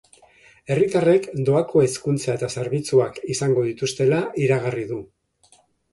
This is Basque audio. Herritarrek doako hezkuntza eta zerbitzuak izango dituztela iragarri du.